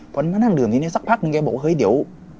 พอมานั่งดื่มทีนี้สักพักนึงแกบอกว่าเฮ้ยเดี๋ยว